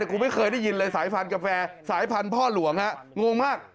กูไม่เคยได้ยินเลยสายพันธุ์กาแฟสายพันธุ์พ่อหลวงฮะงงมาก